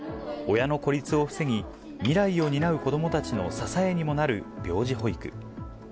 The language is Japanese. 親の孤立を防ぎ、未来を担う子どもたちの支えにもなる病児保育。